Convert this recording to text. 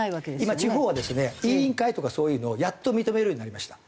今地方はですね委員会とかそういうのをやっと認めるようになりました。